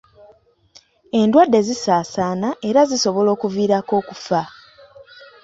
Endwadde zisaasaana era zisobola okuviirako okufa.